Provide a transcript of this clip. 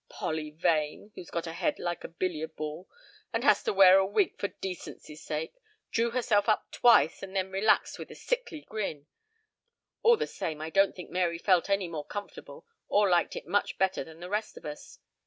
Polly Vane, who's got a head like a billiard ball and has to wear a wig for decency's sake, drew herself up twice and then relaxed with a sickly grin. ... All the same I don't think Mary felt any more comfortable or liked it much better than the rest of us.